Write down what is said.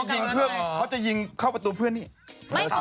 อยู่ริ้งค่ะอันพรรภาษณ์นะคะ